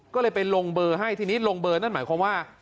ก็เลยไปลงเบอร์ให้ทีนี้ลงเบอร์นั่นหมายความว่า